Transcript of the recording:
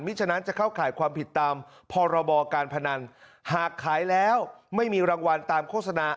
ฉะนั้นจะเข้าข่ายความผิดตามพรบการพนันหากขายแล้วไม่มีรางวัลตามโฆษณา